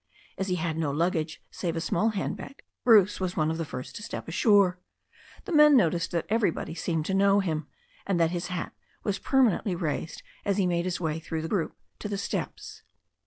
As he had no luggage save a small handbag, Bruce was one of the first to step ashore. The men noticed that every body seemed to know him, and that his hat was permanently raised as he made his way through the group to the steps.